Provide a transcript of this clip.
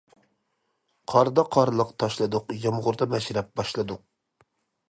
قاردا قارلىق تاشلىدۇق، يامغۇردا مەشرەپ باشلىدۇق.